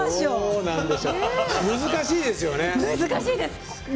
難しいですよね。